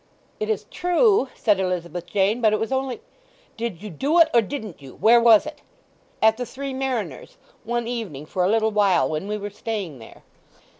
"It is true," said Elizabeth Jane. "But it was only—" "Did you do it, or didn't you? Where was it?" "At the Three Mariners; one evening for a little while, when we were staying there."